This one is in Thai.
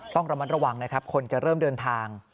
ต้องระมัดระวังนะครับคนจะเริ่มเดินทาง